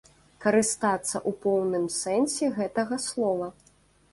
Карыстацца ў поўным сэнсе гэтага слова.